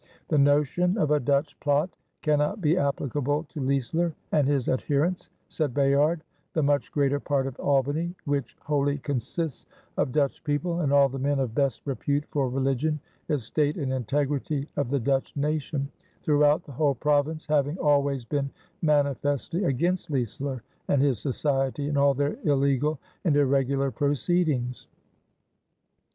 "The notion of a Dutch plott cannot be applicable to Leisler and his adherents," said Bayard; "the much greater part of Albany which wholly consists of Dutch people, and all the men of best repute for religion, estatte, and integrity of the Dutch nacon, throughout the whole Province, having alwaies been manifestly against Leisler and his society, in all their illegall and irregular proceedings."